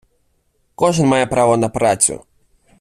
Кожен має право на працю